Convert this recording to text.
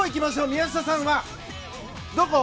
宮下さんは。